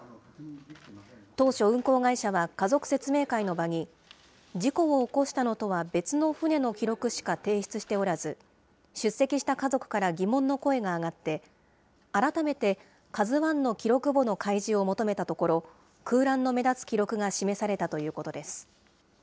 当初、運航会社は家族説明会の場に、事故を起こしたのとは別の船の記録しか提出しておらず、出席した家族から疑問の声が上がって、改めてＫＡＺＵＩの記録簿の開示を求めたところ、空欄の目立つ記録が示されたということです。